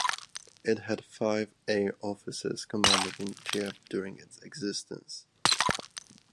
It had five Air Officers Commanding in Chief during its existence.